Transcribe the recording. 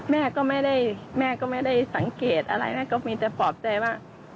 แม่ก็ไม่ได้สังเกตอะไรแม่ก็มีแต่ปลอบใจว่า